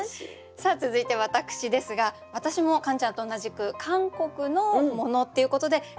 さあ続いて私ですが私もカンちゃんと同じく韓国のものっていうことで韓国語入れたいなと。